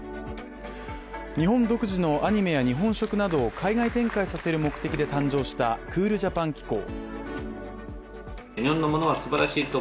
日本独自のアニメや日本食などを海外展開させる目的で誕生したクールジャパン機構。